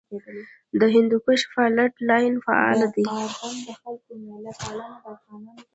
د هندوکش فالټ لاین فعال دی